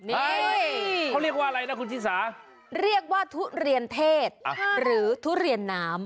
นี่เขาเรียกว่าอะไรนะคุณชิสาเรียกว่าทุเรียนเทศหรือทุเรียนน้ำ